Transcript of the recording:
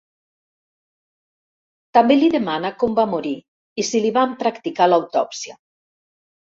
També li demana com va morir i si li van practicar l'autòpsia.